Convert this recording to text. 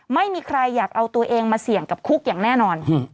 ไม่มีใครอยากเอาตัวเองมาเสี่ยงกับคุกอย่างแน่นอน